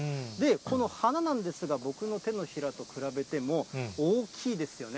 この花なんですが、僕の手のひらと比べても、大きいですよね。